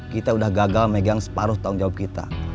kita udah gagal megang separuh tanggung jawab kita